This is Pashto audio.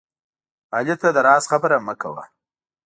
علي ته د راز خبره مه کوه